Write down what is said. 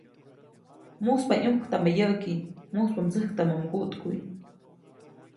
‒Muspa ʼyũktamä yäʼki, mujspa mdsäjktamä mguʼtkuʼy-.